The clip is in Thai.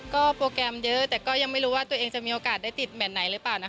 ก็โปรแกรมเยอะแต่ก็ยังไม่รู้ว่าตัวเองจะมีโอกาสได้ติดแมทไหนหรือเปล่านะคะ